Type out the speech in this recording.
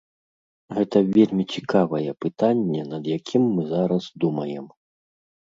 Гэта вельмі цікавае пытанне, над якім мы зараз думаем.